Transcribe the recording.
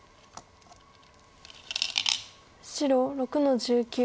白６の十九。